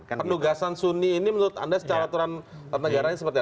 penugasan suni ini menurut anda secara aturan negaranya seperti apa